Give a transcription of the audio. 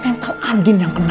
mental andi yang kena